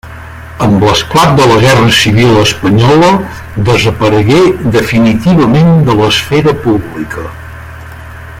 Amb l'esclat de la Guerra Civil espanyola desaparegué definitivament de l'esfera pública.